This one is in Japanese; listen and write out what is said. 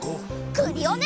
クリオネ！